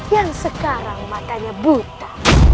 yang sekarang matanya buta